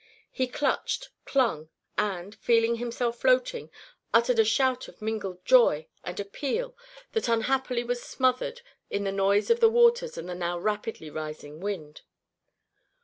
He clutched, clung, and, feeling himself floating, uttered a shout of mingled joy and appeal that unhappily was smothered in the noise of the waters and the now rapidly rising wind.